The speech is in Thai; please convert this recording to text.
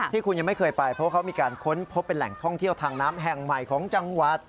ที่คุณยังไม่เคยไปเพราะเขามีการค้นพบเป็นแหล่งท่องเที่ยวทางน้ำแห่งใหม่ของจังหวัด